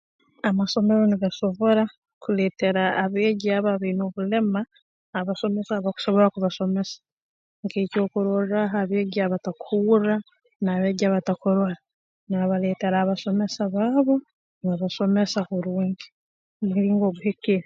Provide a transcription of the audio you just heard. Amasomero nigasobora kuleetera abeegi abo abaine obulema abasomesa abakusobora kubasomesa nk'ekyokurorraaho abeegi abatakuhurra n'abeegi abatakurora nibabaleetera abasomesa baabo nibabasomesa kurungi mu mulingo oguhikire